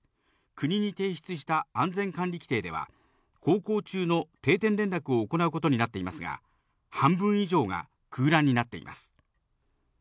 国に提出した安全管理規程では、航行中の定点連絡を行うことになっていますが、半分以上が空欄になっています。